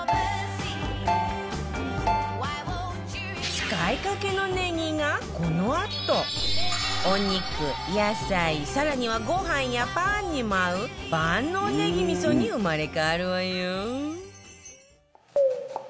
使いかけのネギがこのあとお肉野菜更にはご飯やパンにも合う万能ネギ味噌に生まれ変わるわよ